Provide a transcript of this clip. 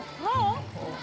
ik ben hoan semo